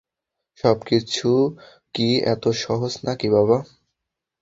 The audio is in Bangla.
সবকিছু কি এতো সহজ নাকি, বাবা?